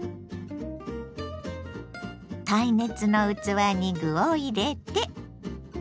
耐熱の器に具を入れて。